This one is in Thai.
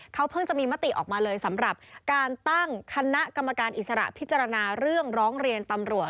เขาเพิ่งจะมีมติออกมาเลยสำหรับการตั้งคณะกรรมการอิสระพิจารณาเรื่องร้องเรียนตำรวจ